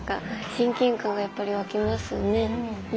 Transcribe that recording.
親近感がやっぱり湧きますねうん。